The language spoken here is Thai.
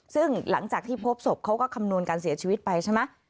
ซึ่งหลังจากที่พบศพเขาก็คำนวณการเสียชีวิตไปใช่ไหม